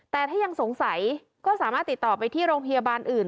แต่ถ้ายังสงสัยก็สามารถติดต่อไปที่โรงพยาบาลอื่น